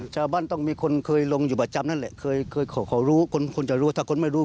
ชาวบ้านต้องมีคนเคยลงอยู่ประจำนั่นแหละเคยขอรู้คนคนจะรู้ถ้าคนไม่รู้